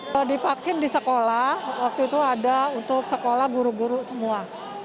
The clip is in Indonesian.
kalau divaksin di sekolah waktu itu ada untuk sekolah guru guru semua